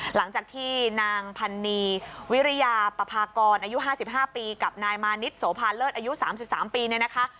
หลังจากที่นางพันนีวิริยาปภากรอายุ๕๕ปีกับนายมานิดโสภาเลิศอายุ๓๓ปีเนี่ยนะคะ